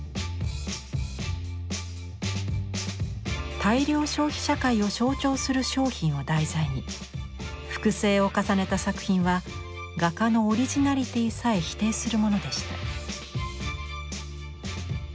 大量消費社会を象徴する商品を題材に複製を重ねた作品は画家のオリジナリティーさえ否定するものでした。